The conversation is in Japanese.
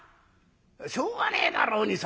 「しょうがねえだろうにさ。